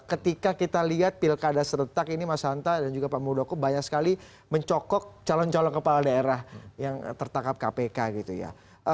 ketika kita lihat pilkada seretak ini mas hanta dan juga pak muldoko banyak sekali mencokok calon calon kepala daerah yang tertangkap kpk gitu ya